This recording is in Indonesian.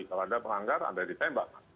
kalau ada penganggar ada ditembak